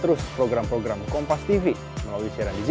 juga terus menyambut selatur rahim